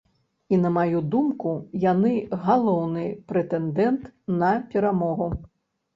І на маю думку, яны галоўны прэтэндэнт на перамогу.